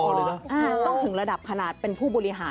ต้องถึงระดับขนาดเป็นผู้บริหาร